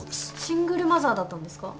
シングルマザーだったんですか？